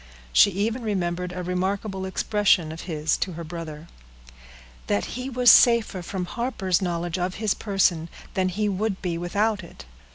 She even remembered a remarkable expression of his to her brother, "that he was safer from Harper's knowledge of his person, than he would be without it."